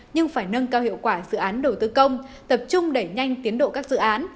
nhưng phải nâng cao hiệu quả dự án đầu tư công tập trung đẩy nhanh tiến độ các dự án